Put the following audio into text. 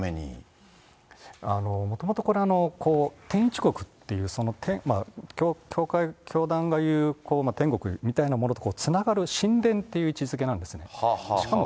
もともとこれ、天宙国という、教団が言う天国みたいなものとつながってる神殿という位置づけなんですね。